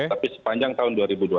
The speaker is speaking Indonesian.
tapi sepanjang tahun dua ribu dua puluh